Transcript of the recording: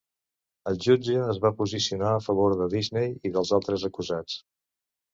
El jutge es va posicionar a favor de Disney i dels altres acusats.